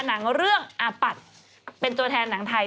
หนังเรื่องอาปัดเป็นตัวแทนหนังไทย